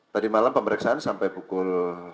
tadi malam pemeriksaan sampai pukul tiga puluh